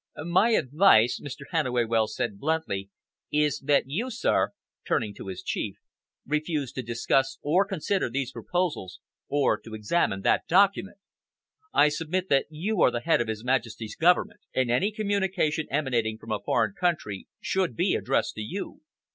"My advice," Mr. Hannaway Wells said bluntly, "is that you, sir," turning to his Chief "refuse to discuss or consider these proposals, or to examine that document. I submit that you are the head of His Majesty's Government, and any communication emanating from a foreign country should be addressed to you.